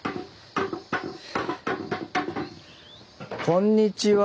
こんにちは。